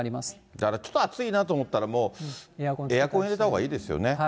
だからちょっと暑いなと思ったら、もうエアコン入れたほうがいいですよね。